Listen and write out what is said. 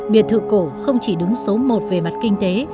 biệt thự cổ không chỉ đứng số một về mặt kinh tế